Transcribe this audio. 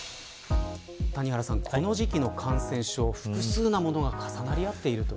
谷原さん、この時期の感染症複数のものが重なり合っている。